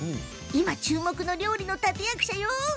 今、注目の料理の立て役者よ。